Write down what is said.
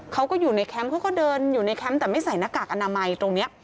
เขาก็อยู่ในแคมป์เขาก็เดินอยู่ในแคมป์แต่ไม่ใส่หน้ากากอนามัยตรงนี้